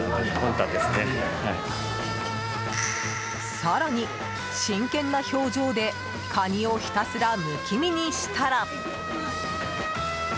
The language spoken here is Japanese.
更に、真剣な表情でカニをひたすらむき身にしたら。